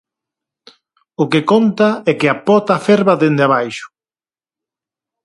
O que conta é que a pota ferva dende abaixo.